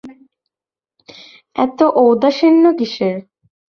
এত ঔদাসীন্য কিসের।